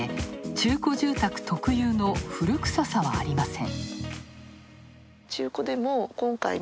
中古住宅特有の古臭さはありません。